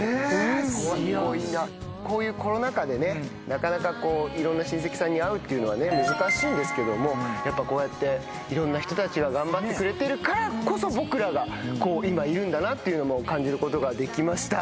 こういうコロナ禍でねなかなかこういろんな親戚さんに会うのはね難しいんですけどもやっぱこうやっていろんな人たちが頑張ってくれてるからこそ僕らがこう今いるんだなっていうのも感じることができました。